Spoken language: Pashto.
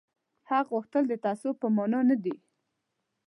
حق غوښتل د تعصب په مانا نه دي